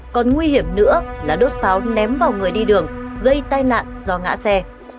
còn nguy hiểm nữa là đốt pháo ném vào người đi đường gây tai nạn do ngã xe